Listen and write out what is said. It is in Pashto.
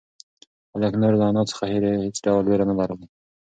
هلک نور له انا څخه هېڅ ډول وېره نه لري.